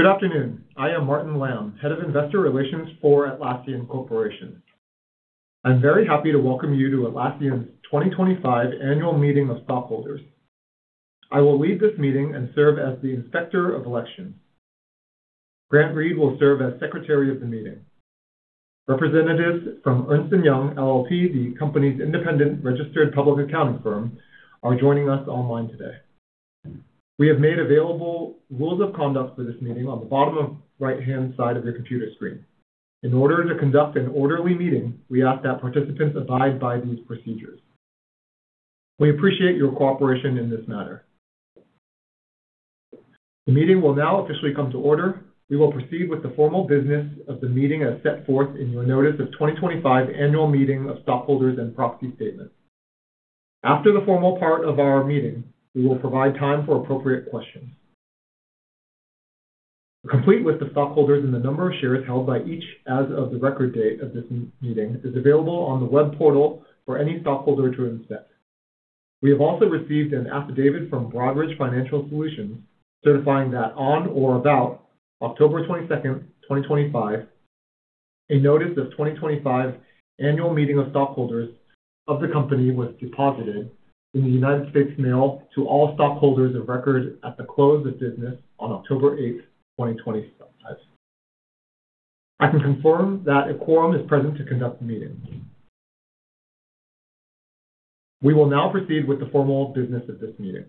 Good afternoon. I am Martin Lam, Head of Investor Relations for Atlassian Corporation. I'm very happy to welcome you to Atlassian's 2025 Annual Meeting of Stockholders. I will lead this meeting and serve as the Inspector of Elections. Grant Reed will serve as Secretary of the Meeting. Representatives from Ernst & Young LLP, the company's independent registered public accounting firm, are joining us online today. We have made available rules of conduct for this meeting on the bottom right-hand side of your computer screen. In order to conduct an orderly meeting, we ask that participants abide by these procedures. We appreciate your cooperation in this matter. The meeting will now officially come to order. We will proceed with the formal business of the meeting as set forth in your Notice of 2025 Annual Meeting of Stockholders and Proxy Statements. After the formal part of our meeting, we will provide time for appropriate questions. A complete list of stockholders and the number of shares held by each as of the record date of this meeting is available on the web portal for any stockholder to inspect. We have also received an affidavit from Broadridge Financial Solutions certifying that on or about October 22nd, 2025, a Notice of 2025 Annual Meeting of Stockholders of the Company was deposited in the United States Mail to all stockholders of record at the close of business on October 8th, 2025. I can confirm that a quorum is present to conduct the meeting. We will now proceed with the formal business of this meeting.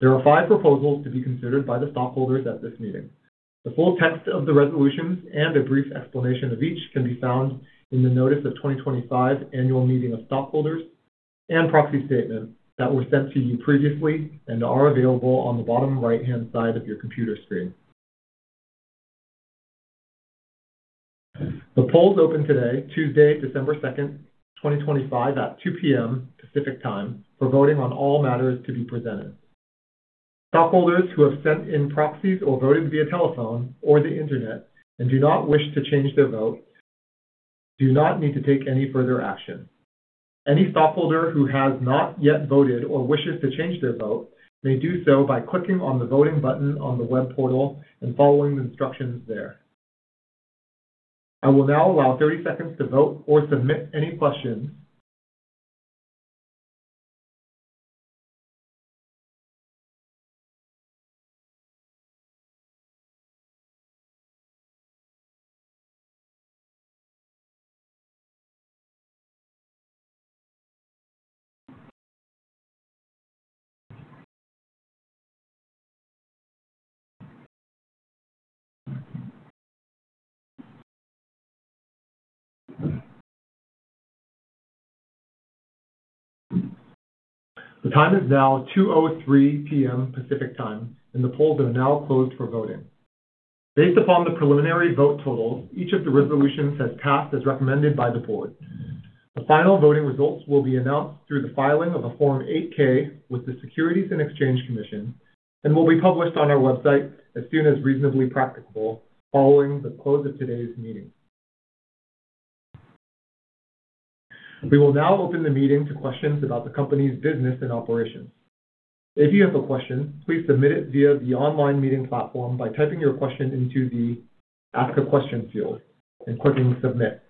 There are five proposals to be considered by the stockholders at this meeting. The full text of the resolutions and a brief explanation of each can be found in the Notice of 2025 Annual Meeting of Stockholders and Proxy Statement that were sent to you previously and are available on the bottom right-hand side of your computer screen. The polls open today, Tuesday, December 2nd, 2025, at 2:00 P.M. Pacific Time for voting on all matters to be presented. Stockholders who have sent in proxies or voted via telephone or the internet and do not wish to change their vote do not need to take any further action. Any stockholder who has not yet voted or wishes to change their vote may do so by clicking on the voting button on the web portal and following the instructions there. I will now allow 30 seconds to vote or submit any questions. The time is now 2:03 P.M. Pacific Time, and the polls are now closed for voting. Based upon the preliminary vote totals, each of the resolutions has passed as recommended by the board. The final voting results will be announced through the filing of a Form 8-K with the Securities and Exchange Commission and will be published on our website as soon as reasonably practicable following the close of today's meeting. We will now open the meeting to questions about the company's business and operations. If you have a question, please submit it via the online meeting platform by typing your question into the Ask a Question field and clicking Submit.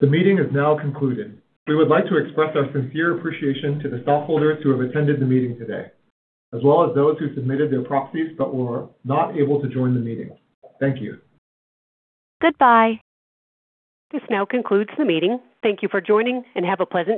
The meeting is now concluded. We would like to express our sincere appreciation to the stockholders who have attended the meeting today, as well as those who submitted their proxies but were not able to join the meeting. Thank you. Goodbye. This now concludes the meeting. Thank you for joining, and have a pleasant day.